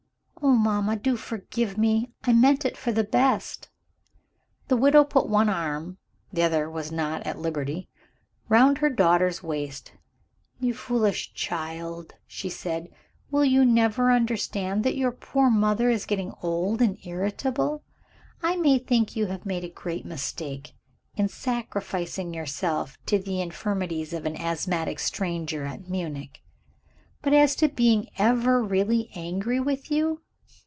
"Oh mamma, do forgive me! I meant it for the best." The widow put one arm (the other was not at liberty) round her daughter's waist. "You foolish child," she said, "will you never understand that your poor mother is getting old and irritable? I may think you have made a great mistake, in sacrificing yourself to the infirmities of an asthmatic stranger at Munich; but as to being ever really angry with you